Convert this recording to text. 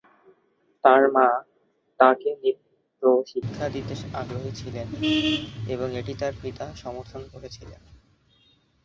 তাঁর মা তাঁকে নৃত্য শিক্ষা দিতে আগ্রহী ছিলেন এবং এটি তাঁর পিতা সমর্থন করেছিলেন।